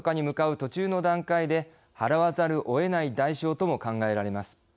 途中の段階で、払わざるをえない代償とも考えられます。